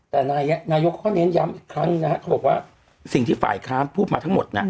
แต่นายกเขาก็เน้นย้ำอีกครั้งนะฮะเขาบอกว่าสิ่งที่ฝ่ายค้านพูดมาทั้งหมดน่ะ